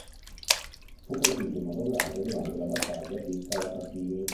Fu colpito in modo grave durante la battaglia di Calatafimi.